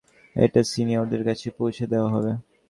এটা সিনিয়রদের কাছে পৌঁছে দেওয়া হবে।